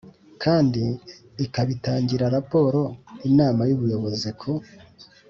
kandi ikabitangira raporo Inama y Ubuyobozi ku